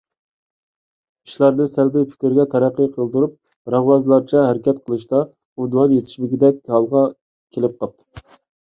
ئىشلارنى سەلبىي پىكىرگە تەرەققى قىلدۇرۇپ رەڭۋازلارچە ھەرىكەت قىلىشتا ئۇنۋان يېتىشمىگىدەك ھالغا كېلىپ قاپتۇ.